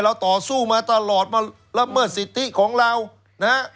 เราต่อสู้มาตลอดแล้วเมื่อสิทธิของเรานะ